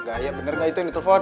gaya bener gak itu yang ditelpon